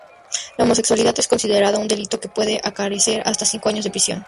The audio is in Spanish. La homosexualidad es considerada un delito que puede acarrear hasta cinco años de prisión.